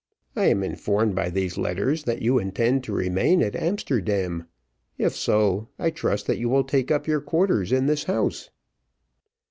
I am informed by these letters that you intend to remain at Amsterdam. If so, I trust that you will take up your quarters in this house."